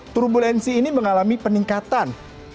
turbulensi ini mengalami peningkatan